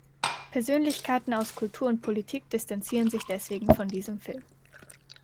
Persönlichkeiten aus Kultur und Politik distanzierten sich deswegen von diesem Film.